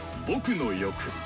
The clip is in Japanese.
「僕の欲」。